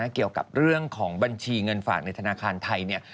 เกี่ยวกับเรื่องของบัญชีเงินฝากในธนาคารไทย